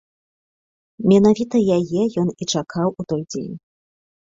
Менавіта яе ён і чакаў у той дзень.